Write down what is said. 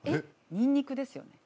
ニンニクですよね？